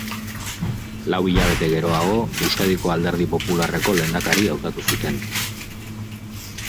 Lau hilabete geroago, Euskadiko Alderdi Popularreko lehendakari hautatu zuten.